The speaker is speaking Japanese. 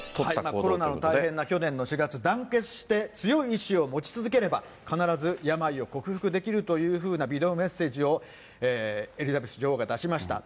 コロナの大変な状況の中で、去年の４月、団結して強い意志を持ち続ければ、必ず病を克服できるというビデオメッセージをエリザベス女王が出しました。